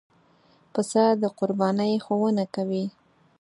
پسه د قربانۍ ښوونه کوي.